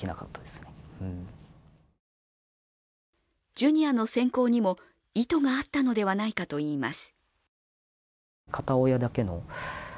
Ｊｒ．の選考にも意図があったのではないかといいます。